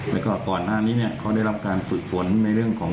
แล้วก็ก่อนหน้านี้เนี่ยเขาได้รับการฝึกฝนในเรื่องของ